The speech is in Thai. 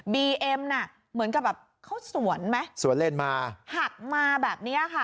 บีเอ็มน่ะเหมือนกับแบบเขาสวนไหมสวนเล่นมาหักมาแบบเนี้ยค่ะ